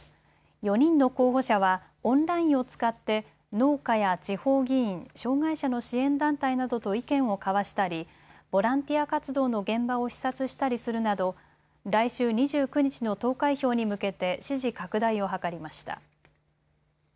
４人の候補者はオンラインを使って農家や地方議員、障害者の支援団体などと意見を交わしたりボランティア活動の現場を視察したりするなど来週２９日の投開票に向けて支持拡大を図りました。